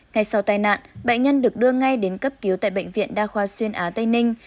ngay sau tai nạn bệnh nhân được đưa ngay đến cấp cứu tại bệnh viện đa khoa xuyên á tây ninh